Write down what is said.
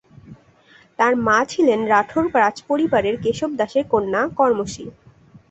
তার মা ছিলেন রাঠোর রাজপরিবারের কেশব দাসের কন্যা করমসি।